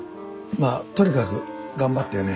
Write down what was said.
まぁとにかく頑張ってよね